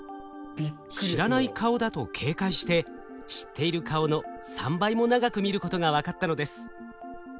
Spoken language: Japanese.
知らない顔だと警戒して知っている顔の３倍も長く見ることが分かったのです。